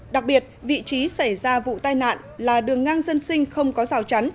đặc biệt vị trí xảy ra vụ tai nạn là đường ngang dân sinh không có rào chắn